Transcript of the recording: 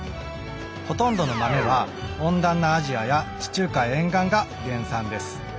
ほとんどの豆は温暖なアジアや地中海沿岸が原産です。